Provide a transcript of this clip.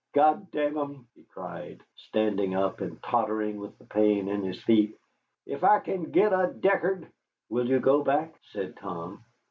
God damn 'em!" he cried, standing up and tottering with the pain in his feet, "if I can get a Deckard " "Will you go back?" said Tom.